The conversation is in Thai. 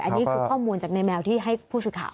อันนี้คือข้อมูลจากในแมวที่ให้ผู้สื่อข่าว